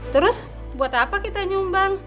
terus buat apa kita nyumbang